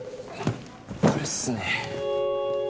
これっすね。